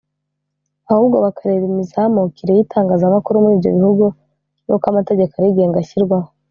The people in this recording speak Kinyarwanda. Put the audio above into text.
ahubwo bakareba imizamukire y’itangazamakuru muri ibyo bihugu n’uko amategeko arigenga ashyirwaho